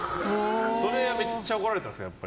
それめっちゃ怒られたんですか。